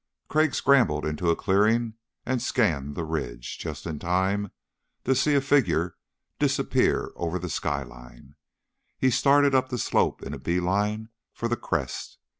Crag scrambled into a clearing and scanned the ridge, just in time to see a figure disappear over the skyline. He started up the slope in a beeline for the crest.